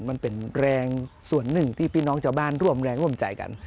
มันเป็นแรงส่วนหนึ่งที่พี่น้องชาวบ้านร่วมแรงร่วมใจกัน